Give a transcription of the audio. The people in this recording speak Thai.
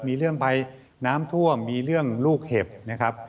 มีเรื่องภัยน้ำท่วมมีเรื่องลูกเห็บนะครับ